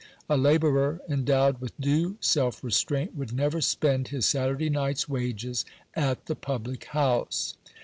A labourer endowed with due self restraint would never spend his Saturday night's wages at the public house.